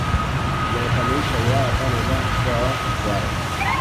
Inayokamilisha wilaya tano za mkoa wa Mtwara